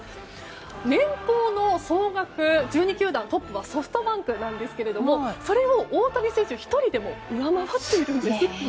年俸の総額、１２球団トップはソフトバンクなんですがそれを大谷選手１人で上回っているんですね。